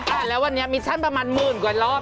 แต่ระหว่าวันนี้มิชชันประมาณหมื่นกว่ารอบ